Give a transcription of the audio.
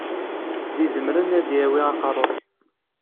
D izemren ad yawi aqerru-k.